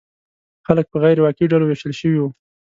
خلک په غیر واقعي ډلو ویشل شوي وو.